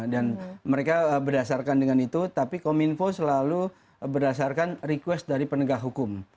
dan mereka berdasarkan dengan itu tapi kominfo selalu berdasarkan request dari penegak hukum